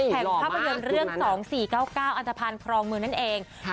แห่งภาพยนตร์เรื่อง๒๔๙๙อันทภัณฑ์ครองเมืองนั่นเอง